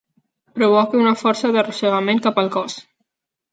Provoca una força d'arrossegament cap al cos.